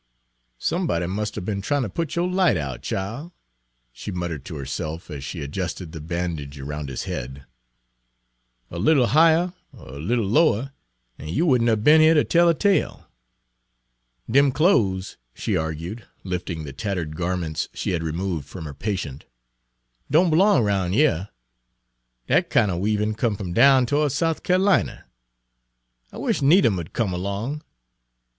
"Somebody must 'a' be'n tryin' ter put yo' light out, chile," she muttered to herself as she adjusted the bandage around his head. "A little higher er a little lower, an' you would n' 'a' be'n yere ter tell de tale. Dem clo's," she argued, lifting the tattered garments she had removed from her patient, "don' b'long 'roun' yere. Dat kinder weavin' come f'om down to'ds Souf Ca'lina. I wish Needham 'u'd come erlong.